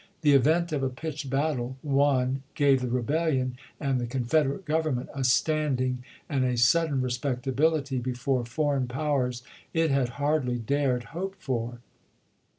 The event of a pitched battle won gave the rebellion and the Con federate Government a standing and a sudden re spectability before foreign powers it had hardly dared hope for.